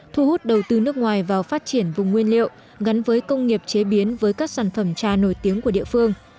thu hút đầu tư nước ngoài vào phát triển vùng nguyên liệu gắn với công nghiệp chế biến với các sản phẩm trà nổi tiếng của địa phương